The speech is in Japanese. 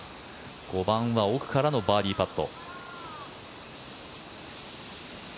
５番は奥からのバーディーパット。